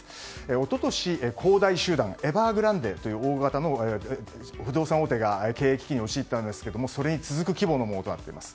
一昨年、恒大集団エバーグランデが大型の不動産大手が経営基金を敷いていたんですがそれに次ぐ規模となっています。